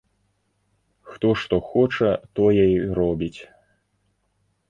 Хто што хоча, тое і робіць.